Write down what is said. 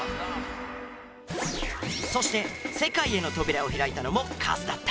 そして世界への扉を開いたのもカズだった。